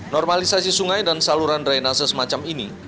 normalisasi sungai dan saluran drainase semacam ini